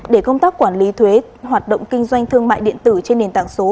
để công tác quản lý thuế hoạt động kinh doanh thương mại điện tử trên nền tảng số